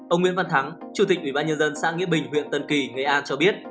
ông nguyễn văn thắng chủ tịch ủy ban nhân dân xã nghĩa bình huyện tân kỳ nghệ an cho biết